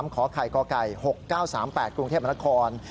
ขอไข่ก่อไก่๖๙๓๘กรุงเทพมนตราคอน